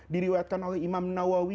diriwayatkan oleh imam nawawi